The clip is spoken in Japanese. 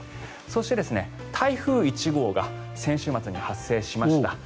そして、台風１号が先週末に発生しました。